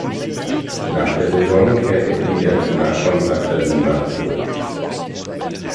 Nach der Saison kehrte er wieder zu Nakhon Ratchasima zurück.